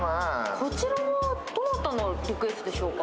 こちらはどなたのリクエストでしょうか。